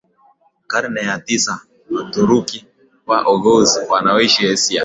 karne ya tisa Waturuki wa Oghuz wanaoishi Asia